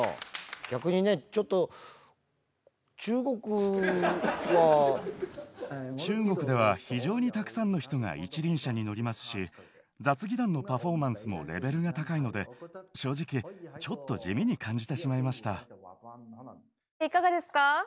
逆にね、中国では、非常にたくさんの人が一輪車に乗りますし、雑技団のパフォーマンスもレベルが高いので、正直、ちょっと地味いかがですか？